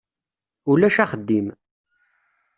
Ulac axeddim.